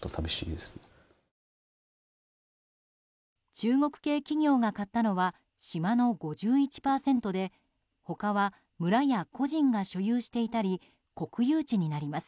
中国系企業が買ったのは島の５１％で他は、村や個人が所有していたり国有地になります。